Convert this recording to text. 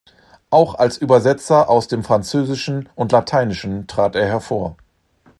Auch als Übersetzer aus dem Französischen und Lateinischen trat er hervor.